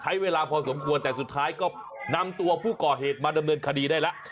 ใช้เวลาพอสมควรแต่สุดท้ายก็นำตัวผู้ก่อเหตุมาดำเนินคดีได้แล้ว